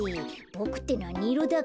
ボクってなにいろだっけ？